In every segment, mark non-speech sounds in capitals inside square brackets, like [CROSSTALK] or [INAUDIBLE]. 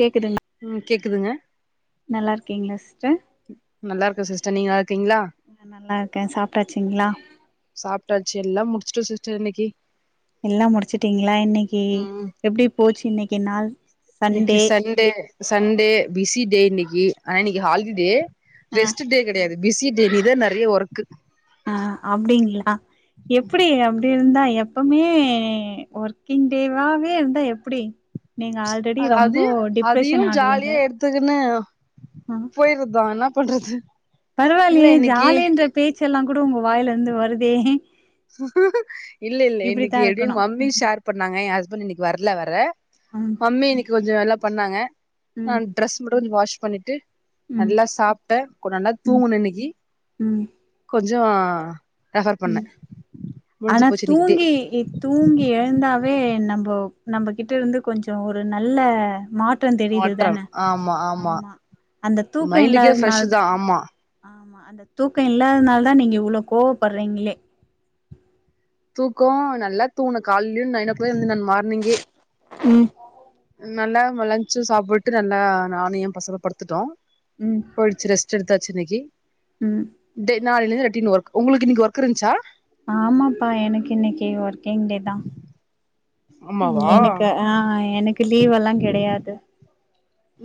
கேக்குதுங்க உம் கேக்குதுங்க நல்லா இருக்கீங்களா சிஸ்டர் நல்லா இருக்க சிஸ்டர் நீங்க நல்லா இருக்கீங்களா நல்லா இருக்கே சாப்ட்டாச்சிங்களா சாப்ட்டாச்சு எல்லா முடிச்சுட்ட சிஸ்டர் இன்னைக்கி எல்லா முடிச்சுட்டீங்களா இன்னைக்கி ம் எப்டி போச்சு இன்னைக்கி நாள் இன்னைக்கி சண்டே சண்டே பிஸி டே இன்னைக்கி ஆனா இன்னைக்கி ஹாலி டே ஆ ரெஸ்ட்டு டே கெடையாது பிஸி டே இன்னக்கி தா நெறைய ஒர்க்கு ஆ அப்டிங்களா எப்டி அப்டி இருந்தா எப்பமே ஒர்க்கிங் டேவாவே இருந்தா எப்டி நீங்க ஆல்ரெடி ரொம்ப டிப்ரெஷன் ஆகுவீங்க இப்பதுன்னா ஆ போயிருந்தோ என்ன பண்றது இல்ல பரவாயில்லயே இன்னைக்கு ஜாலேன்ற பேச்சு எல்லா கூட உங்க வாயில இருந்து வருதே இல்ல இல்ல இப்டித்தா இன்னைக்கி எதையு இருக்கணு மாறந் விஸ் ஷேர் பண்ணாங்க என் ஹஸ்பண்ட் இன்னைக்கி வரல வேற ம் மம்மி இன்னைக்கி கொஞ்சோ எல்லா பண்ணாங்க நா ம் டிரெஸ் மட்டு வாஷ் பண்ணிட்டு ம் நல்லா சாப்டே க்கு நல்லா ம் தூங்குன இன்னைக்கி ம் கொஞ்சோ ரெஃபர் பண்ண ம் ஆனா தூங்கி கி தூங்கி எழுந்தாவே நம்ப நம்பகிட்ட இருந்து கொஞ்சோ ஒரு நல்ல மா ற்றம் தெரியுது மாற்றம் தான ஆமா ஆமா அந்த தூக்க மைண்டுக்கே ஃப்ரெஷ் இல்லாததுனால தா ஆமா ஆமா அந்த தூக்க இல்லாதுனாலதா நீங்க இவ்ளோ கோவப்பட்றீங்களே தூக்கோ நல்லா தூங்குன கால்லியு நைன் ஓ கிளாக் எழுந்த நானு மார்னிங்கே ம் நல்லா லன்ச் சாப்புட்டு நல்லா நானு ஏ பசங்களு படுத்துட்டோ ம் போயிடுச்சு ரெஸ்ட் எடுத்தாச்சு இன்னைக்கி ம் டெ நாளைலிருந்து ரெட்டின் ஒர்க் உங்களுக்கு இன்னக்கி ஒர்க் இருந்ச்சா ஆமாப்பா எனக்கு இன்னைக்கி ஒர்க்கிங் டே தா ஆமாவா எனக்கு ஆ எனக்கு லீவெல்லா கெடையாது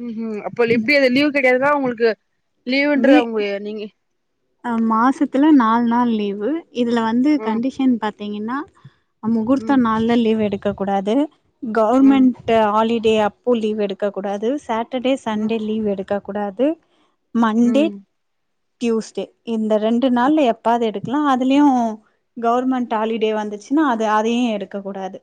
ம்ஹூம் அப்போ எப்டி அது லீவ் கிடையாதுனா உங்களுக்கு வீ லீவுன்றது அவங்க நீங்க அ மாசத்துல நாலு நாள் லீவு இதுல வந்து ம் கண்டிஷன் பாத்தீங்கனா முகூர்த்த ம் நாள்ல லீவ் எடுக்க கூடாது ம் கவர்மெண் ட்டு ஹாலிடே அப்போ லீவ் எடுக்க கூடாது, சாட்டர்டே ம் சன்டே லீவ் எடுக்க கூடாது, மண்டே ம் தியூஸ்டே இந்த ரெண்டு நாள்ல எப்பாது எடுக்கலா அதுலயு கவர்மெண்ட் ஹாலிடே வந்துச்சுனா அது அதையு எடுக்கக்கூடாது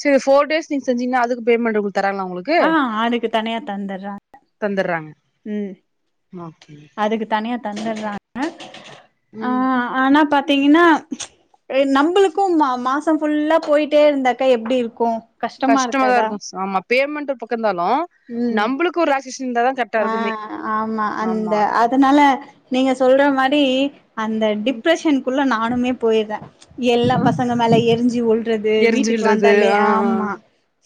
சேரி ஃபோர் டேஸ் நீங்க செஞ்சிங்னா அதுக்கு பேமண்ட் உங்களுக்கு தராங்ளா உங்களுக் ஆ அதுக்கு தனியா தந்துட்றாங்க, தந்துடுறாங்க ம் ஓகே ஓகே தந்துட்றாங்க ம் அ ஆனா பாத்தீங்கனா எ நம்பளுக்கு மா மாசம் ஃபுல்லா போயிட்டே இருந்தாக்கா எப்டி இருக்கு கஷ்டமா கஷ்டமாதா இருக்காதா இருக்கு ஆமா பேமெண்ட் பக்கந்தாலு ம் க்கு ஒரு ரிலாக்சேஷன் இருந்தாதா கரெக்டா ஆ இருக்குமே ஆமா அந்த ஆமா அதனால நீங்க சொல்ற மாரி அந்த ம் டிப்ரெஷனுக்குள்ள நானுமே போயிட்ற எல்லா பசங்க மேல எரிஞ்சு விழ்றது எரிஞ்சு வீட்டுக்கு விழுறது வந்தாலே ஆ ஆமா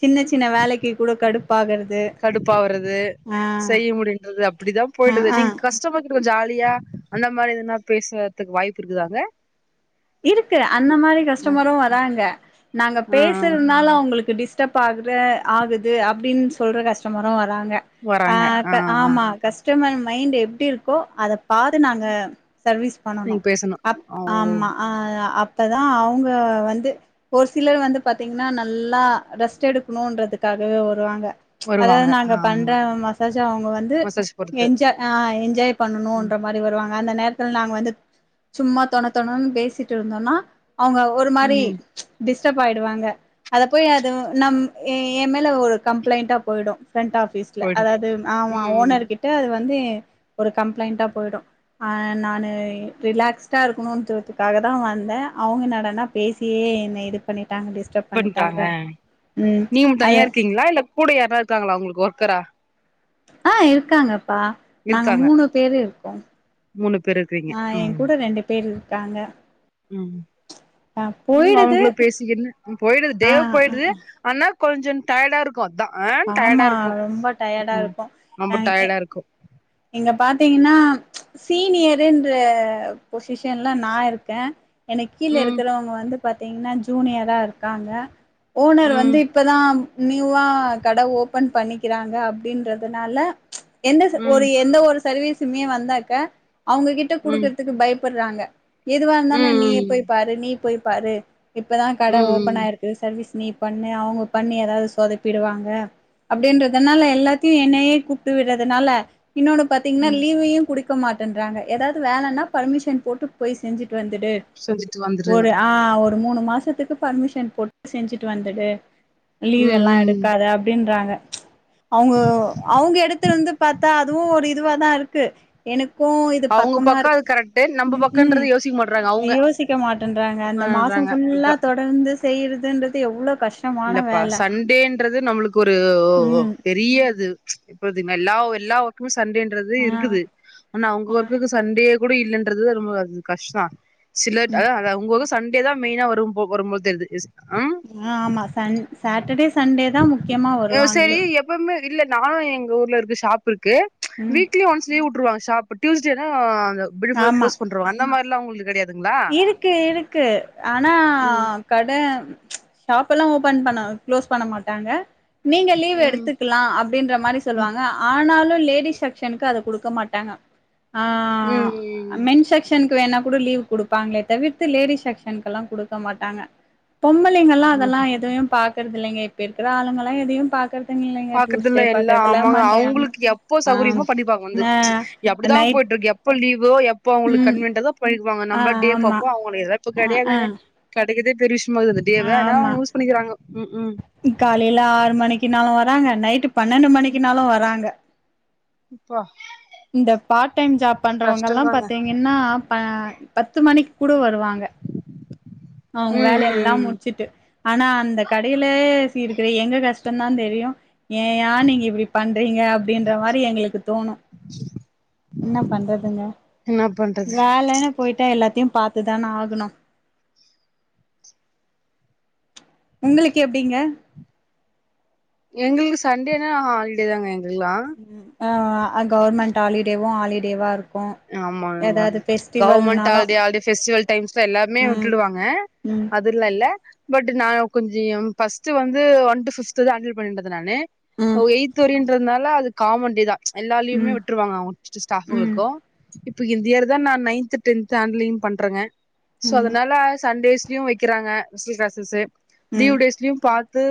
சின்ன சின்ன வேலைக்கி கூட கடுப்பாகறது கடுப்பாவறது ஆ செய்ய முடிந்தது அப்டிதா ஆ போயிடுது ஆ நீங் கஸ்டமர்கிட்ட ஒரு ஜாலியா அந்த மாரி எதுனா பேசுறதுக்கு வாய்ப்பு இருக்குதாங்க இருக்கு அந்த மாரி கஸ்டமரு வராங்க நாங்க ஆ ஆ பேசுறதுனால அவங்களுக்கு டிஸ் டப் ஆகுற ஆகுது அப்டின்னு சொல்ற கஸ்டமரும் வராங்க அ வராங்க ஆ இப்ப ஆ ஆமா கஸ்டமர் மைண்ட் எப்டி இருக்கோ அத பாத்து நாங்க சர்வீஸ் பண்ணணு நீங்க பேசணு அப் ஓ ஆமா ஆ அப்பதா அவங்க வந்து ஒரு சிலர் வந்து பாத்தீங்னா நல்லா ரெஸ்ட் எடுக்குணுன்றதுக்காவே வருவாங்க அதாவது வருவாங்க நாங்க ஆமா பண்ற மசாஜ்ஜ அவங்க வந்து மசாஜ் பொறுத்து என்ஜாய், ஆ, என்ஜாய் ம் பண்ணணுன்ற மா ரி வருவாங்க அந்த நேரத்துல நாங்க வந்து சும்மா தொண தொணனு பேசிட்டு இருந்தோன்னா அவங்க ஒரு மாரி ம் டிஸ்டர்ப் ஆயிடுவாங்க அத போய் அது நம் எ ஏ மேல ஒரு கம்ப்ளைண்டா போயிடு ஃப்ரண்ட் ஆஃபிஸ் ல போயிடு அதாவது ஆமா ம் ம் ஓனர் கிட்ட அது வந்து ஒரு கம்ப்ளைண்டா போயிடு ஆ நானு ரிலாக்ஸ்டா இருக்கணுன் [UNINTELLIGIBLE] காக தா வந்த அவுங்க என்னாடானா பேசியே என்ன இது பண்ணிட்டாங்க டிஸ் பண்ட்டாங்க நீயும் தனியா அது இருக்கீங்களா இல்ல கூட யார்னா இருக்காங்களா உங்களுக்கு ஒர்க்கரா ஆ இருக்காங்கப்பா நாங்க இருக்காங்க மூணு பேரு இருக்கோம் மூணு பேரு இருக்கிரி ஆ எ கூட ரெண்டு பேர் இருக்காங்க ம் ஆ உடுங்க போயிடுது அவுங்களு பேசிக்குனு போயிடுது ஆ டேவு ஆ போயிடுது ஆனா கொஞ்சோ டயர்டா இரு க்கு அதா அ டயர்டா ஆமா இருக்கு ரொம்ப ம் டயர்டா ம் இருக்கு ரொம்ப அ எ டயர்டா இருக்கு இங்க பாத்தீங்கன்னா சீனியருன்ற பொசிஷன்ல நா இருக்க எனக்கு கீழ ம் இருக்கறவங்க வந்து பாத்தீங்கன்னா ஜூனியரா இருக்காங்க ஓனர் ம் வந்து இப்பதா நியூவா கட ஓபன் பண்ணிக்கிறாங்க அப்டின்றதுனால எந்த ம் ஒரு எந்த ஒரு சர்வீசுமே வந்தாக்க அவுங்க கிட்ட ம் குடுக்குறதுக்கு பயப்படுறாங்க எதுவா ம் இருந்தாலு நீய ம் போய் பாரு நீ போய் பாரு இப்பதா கட ம் ஓபன் ம் ஆயிருக் கு சர்வீஸ் நீ பண்ணு அவுங்க பண்ணி ஏதாவது சொதப்பிருவாங்க அப்டின்றதுனால எல்லாத்தையு என்னையே கூப்ட்டு விடுறதுனால இன்னொன்னு பாத்தீங்கன்னா ம் லீவையு‌ குடுக் டுக்க மாட்டேன்றாங்க ஏதாவது வேலன்னா பர்மிஷன் போட்டு போய் செஞ்சுட்டு வந்துடு செஞ்சுட்டு வந்துரு ஒரு ஆ ஒரு மூணு மாசத்துக்கு பர்மிஷன் போட் செஞ்சுட்டு வந்துடு லீவ் ம் எல்லா ம் எடுக்காது அப்டின்றாங்க அவுங்க அவுங்க எடத்துல இருந்து பாத் தா அதுவு ஒரு இதுவா தா இருக்கு எனக்கு இது அவங்க பக்கமா பக்கோ அது இருக்கு கரெக்ட் நம்ம ம் ம் பக்கன்றது யோசிக்க மாட்றாங்க அவங்க யோசி க்க மாட்டேன்றாங்க அந்த மாசோ பண்றாங்க அதா ஃபுல்லா தொடர்ந்து செய்யறதுன்றது எவ்ளோ கஷ் இல்லப்பா சண்டேன்றது நம்மளுக்கு ஒரு ஒ ஒ ம் பெரிய அது இப்பதுங்க எல்லா எல்லா ஒர்க்குமே சண்டேன்றது ஆ இருக்குது ஆனா அ உங்க ஆ ஒர்க்குக்கு சண்டே கூட இல்லன்றது தா ரொம்ப அது கஷ்டோ சில ட ம் அதா அதா அவுங்க அவுங்க சண் டேதா மெயினா வரும் போ வரும் போது தெர்து எஸ் ஆ ஆ ஆமா சண் சேட்டர்டே சண்டே தா முக்கியமா வருவாங்களே எப்போ மே இல்ல நா எங்க ஊர்ல இருக்கு ஷாப் இருக்கு ம் வீக்லி ஒன்ஸ் லீவ் வுட்டுருவாங்க ஷாப் டியூஸ்டேனா அந்த பிள்ளு ஃபுல்லா ஆமா க்ளோஸ் பண்றுவாங்க அந்த மாரிலா உங்களுது கடையாது இருக்கு இருக்கு ஆனா ம் கட ஷாப் எல்லா ஓபன் பண்ண க்ளோஸ் பண்ண மாட்டாங்க நீங்க லீவ் ம் எடுத்து க்கலா அப்டின்ற மாரி ம் சொல்லுவாங்க ஆனாலு லேடிஸ் செக்ஷனுக்கு அது கொடுக்க மாட்டாங்க ஆ ஆ ஆ ம் மென் செக்ஷனுக்கு வேணா கூட லீவ் குடு பாங்களே தவிர்த்து லேடிக்ஷனுகெல்லா குடுக்க மாட்டாங்க பொம்பளைங்காளா ஓ அதெல்லா எதுையும் பாக் பா க்கரதில்லைங்க இப்ப இருக்க ஆளுங்கலா எதையு பாக்கறது பாக்குறது இல்ல எல்லா ஆமாங்க அவுங்களுக்கு எப்போ சௌகரியமோ பண்ணிப்பாங்க வந்து ஆ இங் ஆ அப்படித்தா நைட் போயிட்டு இருக்கு எப் போ லீவோ எப்போ அவுங்களுக்கு ம் கன்வீன்டோதோ போயிக்குவாங்க ஆ நம்ப டே ஆமா பாப்போ அவுங்களேதா இப்ப ஆ ஆ கடையாதுங்க கடைக்கதே பெரிய விஷயமாது இந்த டே ஆ வேனா ஆமா அவுங்க யூஸ் பண்ணிக்கிறாங்க ம் ம் காலையில ஆறு மணிக்கு நாளு வராங்க நைட்டு பன்னெண்டு மணிக்கு நாளு வராங்க ப்பா இந்த பார்ட் டைம் ஜாப் பண்றவங்க எல்லா பாத்தீங்கன்னா ப பத்து மணிக்கு கூட வருவாங்க அவுங்க ம் வேலய ம் எல்லா ம் முடிச்சுட்டு ஆனா அந்த கடையிலே சீ இருக்கற எங்க கஷ்டோ தா தெரியு ஏய்யா நீங்க இப்டி பண்றீங்க அப்டின்ற மாரி எங்களுக்கு தோணு சில் ன்ன பண்றதுங்க பண்றது வேலைன்னு போயிட்டா எல்லாத்தையு பாத்துதானே ஆகணு உங்களுக்கு எப்டிங்க எங்ளுக்கு சண்டேனா ஹாலிடே தாங்க எங்ளுல்லா ம் ஆ கவுவர்மெண்ட் ஹாலிடேவும் ஹாலிடேவா இருக் ஆமாங்க கவுர்மெண்ட் ஹால்டே ஹால்டே ஃபெஸ்டிவல் டைம்ஸ்ல எல்லாமே ம் விட்டுடுவாங்க ம் அத் திர்லா இல்ல பட் நா கொஞ்சியம் ஃபஸ்ட்டு வந்து ஒன் டு பிப்துதா ஹாண்டல் பண்ணிருந்தது நானு ம் எய்த்து வெரியுன்றதுனால அது காமண்டே தா எல்லா லீவுமே ம் விட்டுருவாங்க அவங்க ம் ஸ்டாப்புங்களுக்கு இப்ப இந்த இயரு தா நா நைன்த் டென்த் ஹாண்டலி பண்றங்க சோ ம் அதனால சண்டேஸ் லியு வெக்கிறாங்க ஸ்பெஷல் கிளாஸஸ்ஸு ம் லீவ் டேஸ்லியும் பாத்து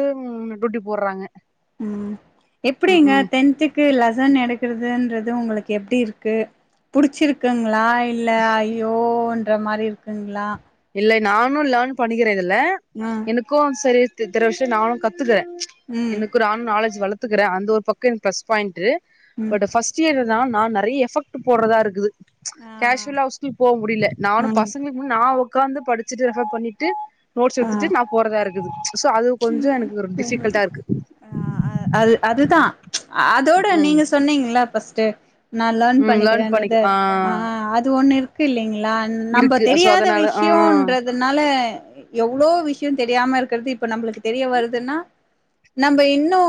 டூட்டி போறாங்க உம் எப்டிங்க டென்த்திக் கு லெசன் எடுக்கிறதுன்றது உங்களுக்கு எப்டி இருக்கு புடிச்சிருக்குங்ளா இல்ல ஐயோன்ற மாரி இருக்குங்ளா இல்லை நானு லேர்ன் பண்ணிக்கிறே இதுல ம் எனக்கு சரி த்ர விஷ்யோ நானு கத்துக்கறே ம் எனக்குறான் நாலேஜ் வளர்த்துக்கறே அந்த ஒரு பக்கம் எனக்கு பிளஸ் பாயிண்ட் ம் பட் ஃபஸ்ட் சியோ என்னனா நானு நெறைய எஃபக்ட் போட்றதா இருக்குது ஆ கேஸ்சுவலா ஸ்கூலுக்கு போவ முடியல நானு ம் பசங்ளுக் முன் நா உக்காந்து படிச்சிட்டு ரெஃபேர் பண்ணிட்டு நோட்ஸ் எடுத்துட்டு நா போறதா இருக்குது சோ அது கொஞ்சோ எனக்கு ஒரு ஆ டிஃபிகல்ட்டா இருக்கு ஆ அது அதுதா அதோட ம் நீங்க சொன்னீங்க இல்ல ஃபர்ஸ்ட்டு நா லேர்ன் ம் பண்ணிக்கிறேன்றத பண்ணிக்க ஆ ஆஹ் அது ஒண்ணு இருக்கு இல்லிங்ளா நம்ம இருக்கு சோ தெரியாத அதனால ஆ விஷயோன்றதுனால எவ்ளோ விஷியோ தெரியாம இருக்கிறது இப்ப நம்ளுக்கு தெரிய வருதுன்னா நம்ம இன்னு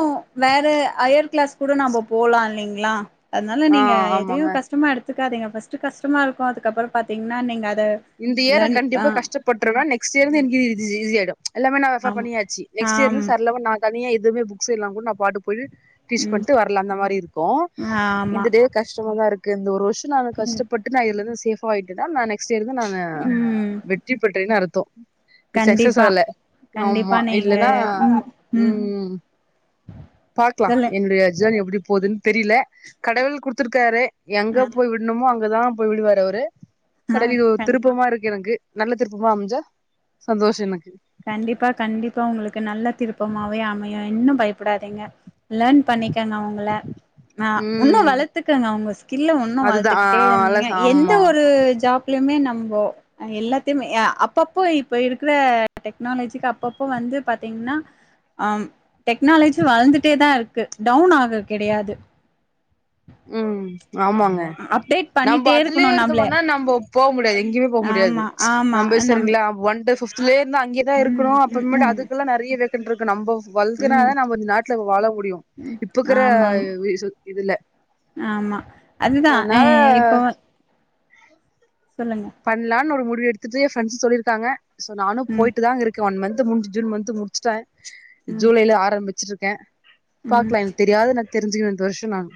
வேற ஹையர் கிளாஸ் கூட நாம்ப போலா இல்லிங்ளா அதனால ஆ நீங்க எதையு ஆமாங்க கஷ்டமா எடுத்துக்காதீங்க ஃபர்ஸ்ட்டு கஷ்டமா இருக்கு அதுக்கப்புறம் பாத்தீங்கனா நீங்க அத இந்த இயர் லேர்ன் ஆ கண்டிப்பா கஷ்டப்படுறுவ நெக்ஸ்ட் இயர் இருந்து எனக்கு இ ஈஸியாயிடு எல்லாமே ந ரெஃபேர் ஆமா பண்ணியாச்சி நெக்ஸ்ட் ஆம் இயர்லுந் சர்ளமா நா தனியா எதுவுமே புக்ஸ் இல்லாம கூட நா பாட்டுக்கு போயிட்டு டீச் ம் பண்ணிட்டு வ்ரல அந்த மாரி இருக்கு ஆமா இந்த டே கஷ்டமா தா இருக்கு இந்த ஒரு வருஷோ நானு ம் கஷ்டப்பட் னாயிர்லந்து சேபா ஆயிட்டு தா நா நெக்ஸ்ட் இயர்லந்து நா ம் வெற்றி பெற்றறேன்னு அர்த்தோ சக்சஸ் கண்டிப்பா ஆல கண்டிப்பா ஆமா நீங்க இல்லன்னா ம் உம் ம் பாக்லா சொல்லு என்னுடைய ஜேனி எப்டி போதுன்னு தெரியல கடவுள் குடுத்துருக்காரு எங்க ஆ போய் விட்ணுமோ அங்கதா போய் விடுவாரு அவரு ஆ கடலிது கண்டி திருப்பமா இருக்கு எனக்கு நல்ல திருப்பமா அமைஞ்சா சந்தோஷோ எனக்கு கண்டிப்பா கண்டிப்பா உங்ளுக்கு நல்ல திருப்பமாவே அமையு இன்னும் பயப் டாதீங்க லேர்ன் பண்ணிக்கங்க அவங்கள னா உன்னு ம் வளர்த்துக்கங்க உங்க ஸ்கில்ல உன்னு அதுதா ஆ வளர்த்துக்கிட்டே இருந்தீங்க ஆ எந்த ஆமா ஒரு ஜாப் லியுமே நம்போ எல்லாத்திமே அப்பப்போ இப்ப இருக்குற டெக்னாலஜிக்கு அப்பப்போ வந்து பாத்தீங்னா ஆம் டெக்னாலஜி வளர்ந்துட்டே தான் இருக்கு டவுன் ஆக கெடையாது ம் ஆமாங்க அப்டேட் நம்ம பண்ணிட்டே இருக்கணு அதுலயே நம்ள இருந்தமானா நம்போ போ முடியாது எங்கிமே போ முடியாது ஆமா ஆமா நம்ப நம் சரிங்களா ஒன் டு பிப்துலேந்தா அங்கியே தா ம் இருக்கனோ ம் அப்ரமேட்டு ம் அதுக்குல்லா நெறைய வேகண்ட் இருக்கு நம்போ ம் வள்துனாதா நம்ம நாட்டுல வாழ முடியு இப்பக்கிற ஆமாம் வீசு இதுல ஆமா அதுதா ஹ அதனால இப்போ சொல்லுங்க பண்லானு ஒரு முடிவு எடுத்துட்டு எ ஃப்ரெண்டஸ் சொல்லிருக்காங்க சோ நானு ம் போயிட்டு தா இருக் கே ஒன் மன்த்து முடிஞ்சு ஜூன் மன்த்து முடிச்சிட்டே ம் ஜூலைல ஆரம்பிச்சிட்ருக்கே ம் பாக்லா எனக் தெரியாத நா தெரிஞ்சிக்கிற இந்த வர்ஷோ நானு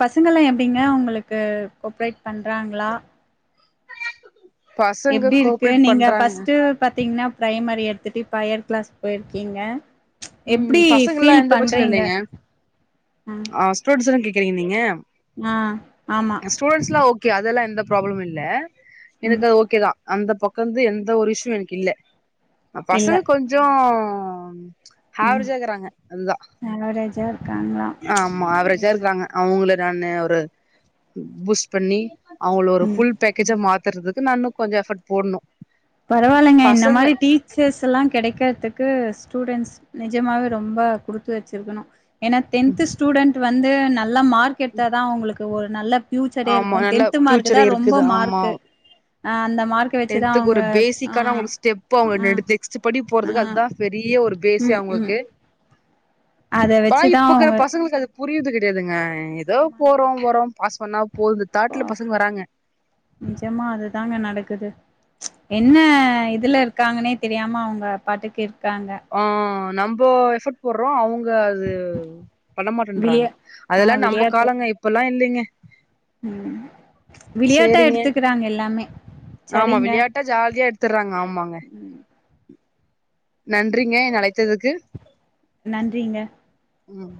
பசங்கல்லா எப்டிங்க உங்களுக்கு கோப்ரேட் பண்றாங்ளா பசங்க எப்டியிருக்கு கோஆப்ரேட் நீங்க பண்றாங்க ஃபஸ்ட்டு பாத்தீங்ன்னா பிரைமரி எடுத்துட்டு இப்போ ஹையர் கிளாஸ் போய்ருக்கீங்க எப்டி ம் பசங்கல்லா ஃபீல் எந்த பிரச்சன பண்றீங்க ம் ஸ்டுடென்ட்ஸ்ல்லா கேக்குறீங்க நீங்க ஆ ஆமா ஸ்டூடெண்ட்ஸ்லா ஓகே அதெல்லா எந்த ப்ராப்ளமு இல்ல எனக்கு ம் அது ஓகே தா அந்த பக்கர்ந்து எந்த ஒரு இஸ்சு எனக்கில்ல இல்ல பசங்க கொஞ்சோ ஏவ்ரேஜா இருக்கிறாங்க அதுதா ஆவரேஜா இருக்காங்களா ஆமா ஏவ்ரேஜா இருக்கிறாங்க அவுங்கள நானு ஒரு பூஸ்ட் பண்ணி அவுங்கள ஒரு ஃபுல் பேக்ஜா மாத் றதுக்கு நானு கொஞ்சோ எஃபர்ட் போடணு பரவால்லைங்க இந்த பசங்க மாரி டீ ச்சர்ஸ்ல்லா கெடைக்கற்துக்கு ஸ்டூடெண்ட்ஸ் நெஜமாவே ரொம்ப குடுத்து வெச்சிருக்கணு ஏனா டென்த்து ஸ்டூடெண்ட் வந்து நல்ல மார்க் எடுத்தா தா அவுங்களுக்கு ஒரு நல்ல பியூச்சரே ஆமா இருக்கு நல்ல டென்த் மார்க்கு ஃபியூச்சர் தா ரொம்ப இருக்குது மார்க்கு அ அந்த மார்க் டென்த்து குரு பேஸிக்கான அவுங்களுக் ஸ்டெப்பு அவுங்க ஆ நெடு நெக்ஸ்ட்டு படி ஆ போறதுக்கு அத்தா பெரிய ஒரு பேஸே ம் ம் அவுங்களுக்கு அத வாய் வச்சுதா இப்பிக்கிற அவங்க பசங்களுக்கு அது புரியிது கெடையாதுங்க எதோ ஆமாங்க போறோ வரோம் பாஸ் பண்ணா போது தாட்ல பசங்க வராங்க நெஜமா அதுதாங்க நடக்குது என்ன இதுல இருக்காங்கன்னே தெரியாம அவ்ங்க பாட்டுக்கு இருக்காங்க அ நம்போ எஃபோட் போட்றோ அவ்ங்க அது பண்ணமாட்டேன்றாங்க விளையா ஆ அதெல்லா நம்ப விளையாட்டு காலங்க இப்பெல்லா இல்லைங்க ம் விளையாட்டா சேரிங்க எடுத்துக்கறாங்க எல்லாமே ஆமா சரிங்க விளையாட்டா ஜாலியா எடுத்துர்றாங்க ஆமாங்க ம் நன்றிங்க எனை அழை த்துக்கு நன்றிங்க ம்